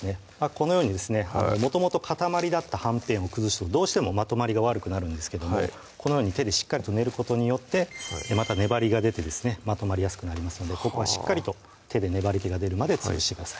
このようにですねもともと塊であったはんぺんを崩すとどうしてもまとまりが悪くなるんですけどもこのように手でしっかりと練ることによってまた粘りが出てですねまとまりやすくなりますのでここはしっかりと手で粘りけが出るまでつぶしてください